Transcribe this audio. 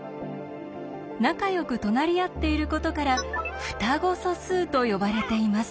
仲よく隣り合っていることから「双子素数」と呼ばれています。